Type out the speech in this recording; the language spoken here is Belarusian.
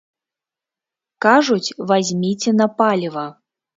Кажуць, вазьміце на паліва.